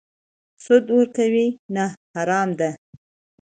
سود ورکوي؟ نه، حرام ده